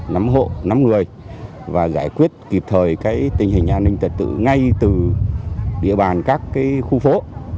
nắm hộ nắm người và giải quyết kịp thời tình hình an ninh trật tự ngay từ địa bàn các khu phố